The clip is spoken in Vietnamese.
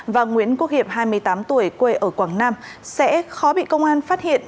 và nguyễn quốc hiệp hai mươi tám tuổi quê ở quảng nam sẽ khó bị công an phát hiện